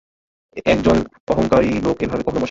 এক জন অহঙ্কারী লোক এভাবে কখনো বসে না।